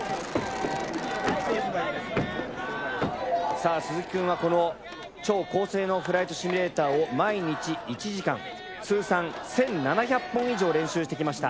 さあ鈴木くんはこの超高性能フライトシミュレーターを毎日１時間通算１７００本以上練習してきました。